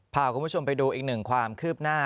พาคุณผู้ชมไปดูอีกหนึ่งความคืบหน้า